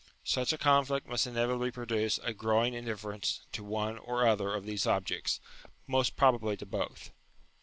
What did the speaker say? Such a conflict must inevitably produce a growing indifference to one or other of these objects, most probably to both.